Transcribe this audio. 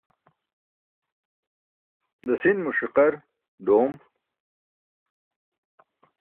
Dasin mo ṣiqar doom.